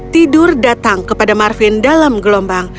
tidur datang kepada marvin dalam gelombang